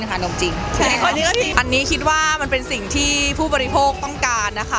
ใช่อันนี้ก็จริงอันนี้คิดว่ามันเป็นสิ่งที่ผู้บริโภคต้องการนะคะ